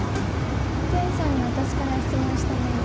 剣さんに私から質問してもいいですか？